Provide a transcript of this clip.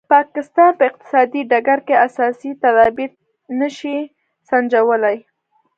پاکستان په اقتصادي ډګر کې اساسي تدابیر نه شي سنجولای.